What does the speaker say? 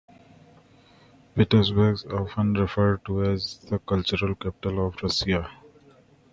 Petersburg, often referred to as the cultural capital of Russia.